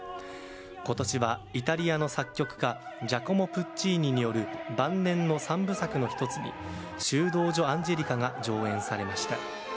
今年はイタリアの作曲家ジャコモ・プッチーニによる晩年の三部作の一つの「修道女アンジェリカ」が上演されました。